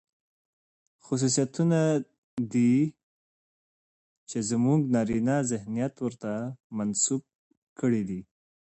خصوصيتونه دي، چې زموږ نارينه ذهنيت ورته منسوب کړي دي.